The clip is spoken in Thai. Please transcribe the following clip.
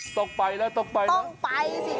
ต้องไปแล้วต้องไปต้องไปสิ